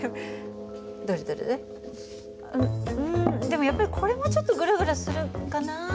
でもやっぱりこれもちょっとグラグラするかな。